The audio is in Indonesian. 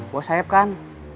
bos saeb kan